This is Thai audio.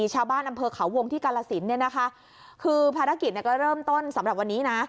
ชาวบ้านอำเภอเขาวงที่กาลสินเนี่ยนะคะคือภารกิจก็เริ่มต้นสำหรับวันนี้นะ